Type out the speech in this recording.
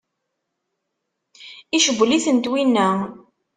Icewwel-itent winna?